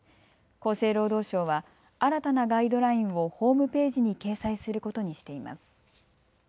厚生労働省は新たなガイドラインをホームページに掲載することにしています。